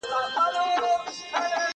زه پرون موسيقي اورم وم!.